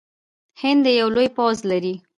هند یو لوی پوځ لري.